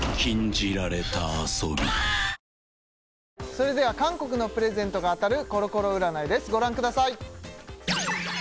それでは韓国のプレゼントが当たるコロコロ占いですご覧ください